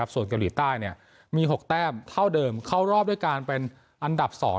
ส่วนเกาหลีใต้มี๖แต้มเท่าเดิมเข้ารอบด้วยการเป็นอันดับ๒